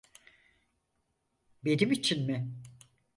Benim için mi?